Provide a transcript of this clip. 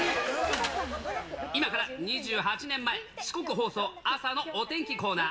今から２８年前、四国放送、朝のお天気コーナー。